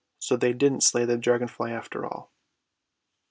So they didn't slay the dragonfly after all.